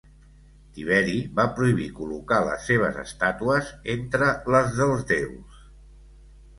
Tiberi va prohibir col·locar les seves estàtues entre les dels déus.